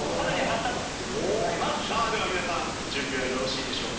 皆さん準備はよろしいでしょうか？